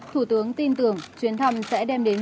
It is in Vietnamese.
thủ tướng tin tưởng chuyến thăm sẽ đem đến